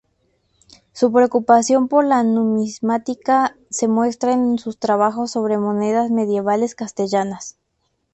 Su preocupación por la numismática se demuestra en sus trabajos sobre monedas medievales castellanas.